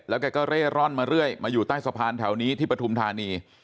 แกก็เร่ร่อนมาเรื่อยมาอยู่ใต้สะพานแถวนี้ที่ปฐุมธานี